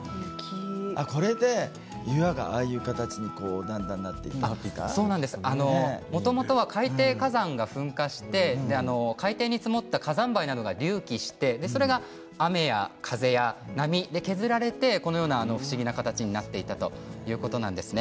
これで岩がああいう形にもともとは海底火山が噴火して海底に積もった火山灰などが隆起してそれが雨や風や波で削られてこのような不思議な形になっていったということなんですね。